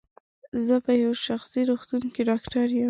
زه په یو شخصي روغتون کې ډاکټر یم.